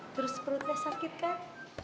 terus perutnya sakit kan